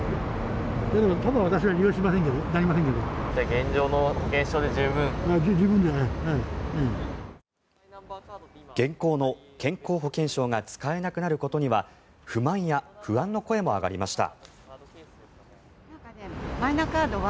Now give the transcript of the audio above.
現行の健康保険証が使えなくなることには不満や不安の声も上がりました。